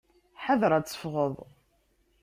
Ḥader ad tefɣeḍ!